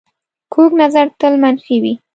کوږ نظر تل منفي وي